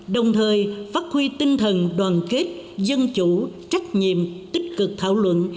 đồng thời phát huy tinh thần đoàn kết dân chủ trách nhiệm tích cực thảo luận